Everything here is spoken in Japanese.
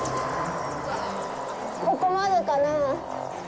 ここまでかなあ？